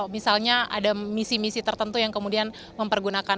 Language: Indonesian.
misalnya ada misi misi tertentu yang kemudian mempergunakan